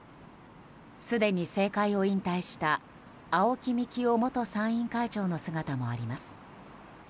すでに政界を引退した青木幹雄元参院会長の姿もあります。